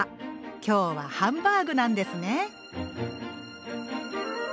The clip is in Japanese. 今日はハンバーグなんですね！